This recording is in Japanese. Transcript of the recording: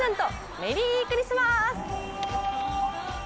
メリークリスマス！